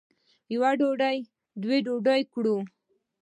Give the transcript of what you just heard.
یوه ډوډۍ دوه ډوډۍ کړو.